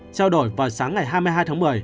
trao đổi vào sáng ngày hai mươi hai tháng một mươi